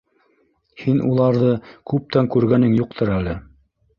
Һин уларҙы күптән күргәнең юҡтыр әле?